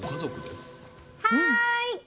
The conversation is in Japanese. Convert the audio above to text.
はい！